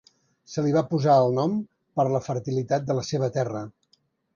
Se li va posar el nom per la fertilitat de la seva terra.